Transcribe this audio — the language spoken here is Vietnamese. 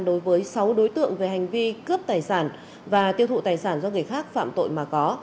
đối với sáu đối tượng về hành vi cướp tài sản và tiêu thụ tài sản do người khác phạm tội mà có